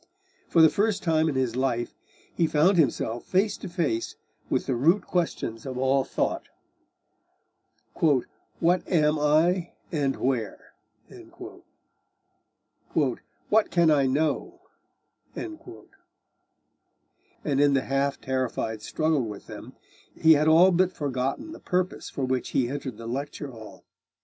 For the first time in his life he found himself face to face with the root questions of all thought 'What am I, and where?' 'What can I know?' And in the half terrified struggle with them, he had all but forgotten the purpose for which he entered the lecture hall.